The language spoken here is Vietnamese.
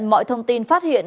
mọi thông tin phát hiện